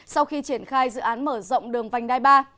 sau khi triển khai dự án mở rộng đường vành đai ba